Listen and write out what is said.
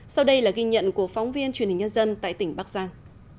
sau đây là ghi nhận của phóng viên truyền hình nhân dân tại tỉnh bắc giang